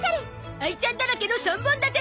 あいちゃんだらけの３本立て